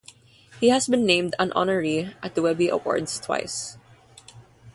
He has been named an Honoree at the Webby Awards twice.